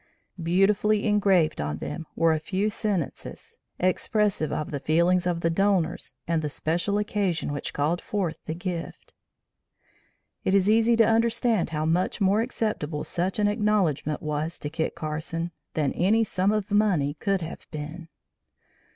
Beautifully engraved on them were a few sentences expressive of the feelings of the donors and the special occasion which called forth the gift. It is easy to understand how much more acceptable such an acknowledgement was to Kit Carson than any sum of money could have been.